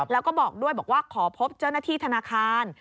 แล้วก็บอกด้วยบอกว่าขอพบเจ้าหน้าที่ธนาคาร